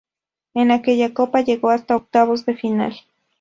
En aquella Copa llegó hasta octavos de final.